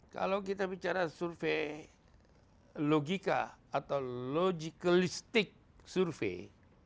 kalau kita bicara survei logika atau logikalistik survei